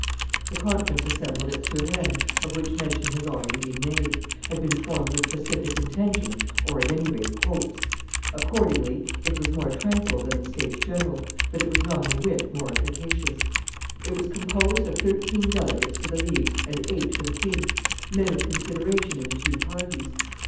The conference assembled at Suresnes, of which mention has already been made, had been formed with pacific intentions, or, at any rate, hopes; accordingly it was more tranquil than the states general, but it was not a whit more efficacious. It was composed of thirteen delegates for the League and eight for the king, men of consideration in the two parties.